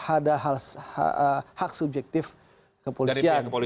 ada hak subjektif kepolisian